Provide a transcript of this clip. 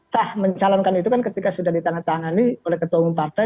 sah mencalonkan itu kan ketika sudah ditandatangani oleh ketua umum partai